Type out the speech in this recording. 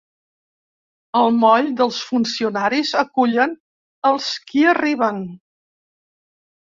Al moll, dels funcionaris acullen els qui arriben.